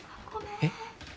えっ？